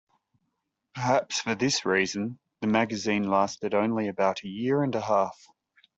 Perhaps for this reason, the magazine lasted only about a year and a half.